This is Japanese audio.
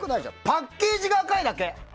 パッケージが赤いだけ？